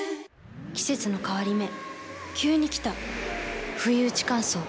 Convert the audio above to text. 季節の変わり目急に来たふいうち乾燥。